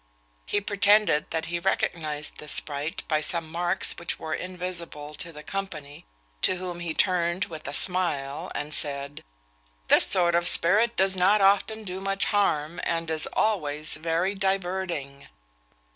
He pretended that he recognised this sprite by some marks which were invisible to the company, to whom he turned with a smile, and said, 'This sort of spirit does not often do much harm, and is always very diverting.'